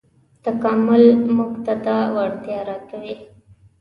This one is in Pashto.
تکامل موږ ته دا وړتیا راکوي.